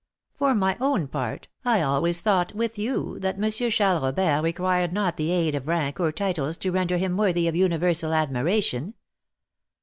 "For my own part, I always thought, with you, that M. Charles Robert required not the aid of rank or titles to render him worthy of universal admiration.